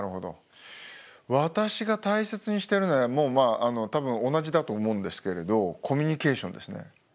私が大切にしてるのはもうまあ同じだと思うんですけれどコミュニケーションですね。